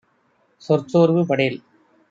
சொற் சோர்வு படேல்.